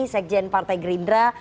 sekjen partai gerindra